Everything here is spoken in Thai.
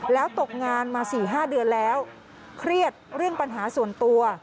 แล้วตกงานมา๔๕เดือนแล้วเครียดเรื่องปัญหาส่วนตัว